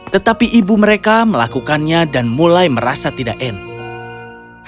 tetapi ibu mereka melakukannya dan mulai merasa tidak enak